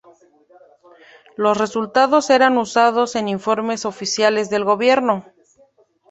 Los resultados eran usados en informes oficiales del gobierno.